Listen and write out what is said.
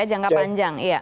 itu jangka panjang ya